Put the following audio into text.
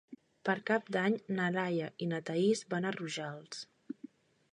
Per Cap d'Any na Laia i na Thaís van a Rojals.